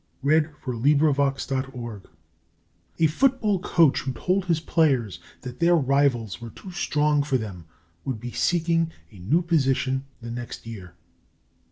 Miriam Teichner. HOLD FAST A football coach who told his players that their rivals were too strong for them would be seeking a new position the next year.